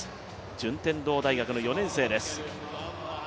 順天堂大学の４年生です。